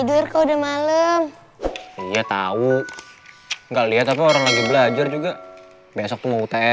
hai kak tidur kau udah malem iya tahu nggak lihat orang lagi belajar juga besok mau tes yaudah deh aku temenin ya